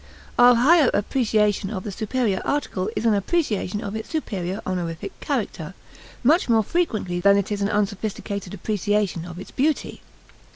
Our higher appreciation of the superior article is an appreciation of its superior honorific character, much more frequently than it is an unsophisticated appreciation of its beauty.